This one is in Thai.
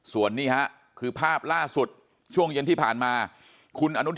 ส่วนนี้ฮะคือภาพล่าสุดช่วงเย็นที่ผ่านมาคุณอนุทิน